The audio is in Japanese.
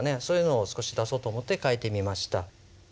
そういうのを少し出そうと思って書いてみました。